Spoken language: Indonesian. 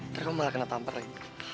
ntar kamu malah kena tamperin